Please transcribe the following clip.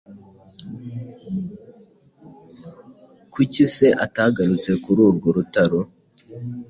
kuki se atagurutse kuri urwo rutaro?